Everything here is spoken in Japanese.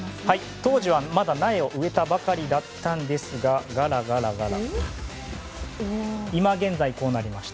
当時はまだ苗を植えたばかりだったんですが今現在こうなりました。